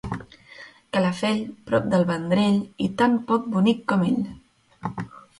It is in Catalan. Calafell, prop del Vendrell, i tan poc bonic com ell.